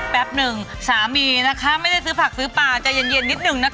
แป๊บหนึ่งสามีนะคะไม่ได้ซื้อผักซื้อปลาใจเย็นนิดนึงนะคะ